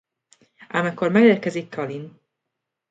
Ám ekkor megérkezik Colleen.